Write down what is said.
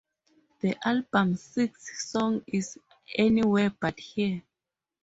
The album's sixth song is "Anywhere But Here".